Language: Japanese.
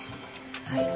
はい。